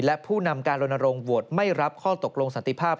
และผู้นำการลนโรงโหวตไม่รับข้อตกลงสันติภาพ